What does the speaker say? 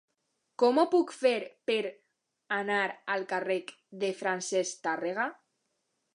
Com ho puc fer per anar al carrer de Francesc Tàrrega?